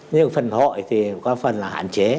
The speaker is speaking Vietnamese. nhưng phần hội thì có phần là hạn chế